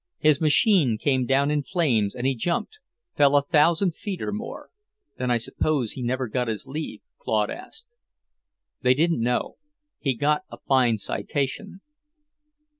His machine came down in flames and he jumped, fell a thousand feet or more. "Then I suppose he never got his leave?" Claude asked. They didn't know. He got a fine citation.